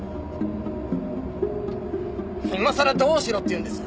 今さらどうしろって言うんです？